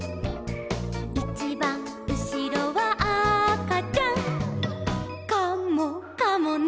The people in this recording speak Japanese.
「いちばんうしろはあかちゃん」「カモかもね」